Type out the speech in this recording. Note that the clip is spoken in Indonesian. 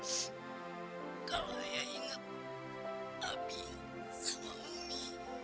kak kalau ayah ingat abis sama umi